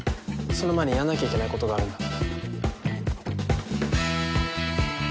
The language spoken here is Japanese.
その前にやんなきゃいけないことがあるんだ。